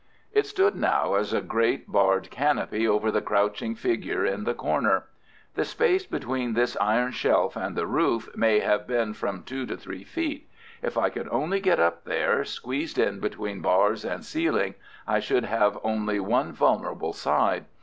It stood now as a great barred canopy over the crouching figure in the corner. The space between this iron shelf and the roof may have been from two to three feet. If I could only get up there, squeezed in between bars and ceiling, I should have only one vulnerable side.